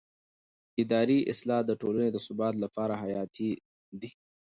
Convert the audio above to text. اداري اصلاح د ټولنې د ثبات لپاره حیاتي دی